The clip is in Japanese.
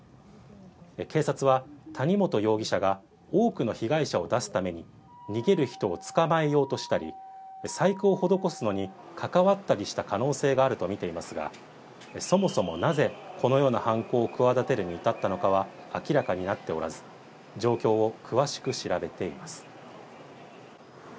警察は谷本容疑者が多くの被害者を出すために逃げる人を捕まえようとしたり、細工を施すのに関わったりした可能性があるとみていますが、そもそも、なぜこのような犯行を企てるに至ったのかは明らかになっておらず、状況を詳しく調べています。